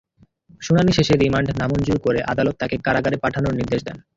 শুনানি শেষে রিমান্ড নামঞ্জুর করে আদালত তাঁকে কারাগারে পাঠানোর নির্দেশ দেন।